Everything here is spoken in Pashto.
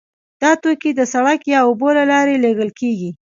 دا توکي د سړک یا اوبو له لارې لیږل کیږي